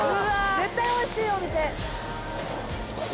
絶対美味しいお店！